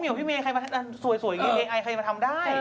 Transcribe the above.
เดี๋ยวพี่เมย์มีใครมาทำสวยอีกไอ่มาทำได้